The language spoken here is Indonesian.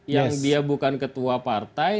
yang dia bukan ketua partai